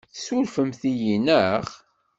Tessurfemt-iyi, naɣ?